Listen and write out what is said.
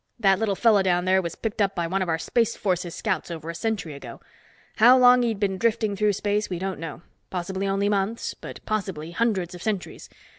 That little fellow down there was picked up by one of our Space Forces scouts over a century ago. How long he'd been drifting through space, we don't know. Possibly only months, but possibly hundreds of centuries.